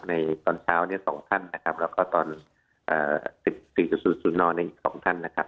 ในตอนเช้า๒ท่านนะครับแล้วก็ตอน๑๔๐๐นใน๒ท่านนะครับ